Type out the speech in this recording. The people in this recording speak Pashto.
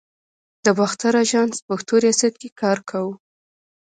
د باختر آژانس پښتو ریاست کې کار کاوه.